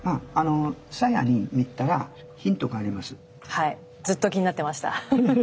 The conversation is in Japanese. はいずっと気になってました。